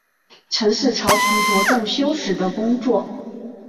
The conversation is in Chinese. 陈氏朝廷着重修史的工作。